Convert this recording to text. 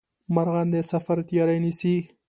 مرغان د سفر تیاري نیسي